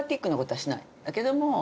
だけども。